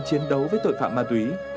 chiến đấu với tội phạm ma túy